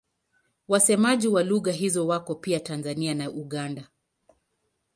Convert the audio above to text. Wasemaji wa lugha hizo wako pia Tanzania na Uganda.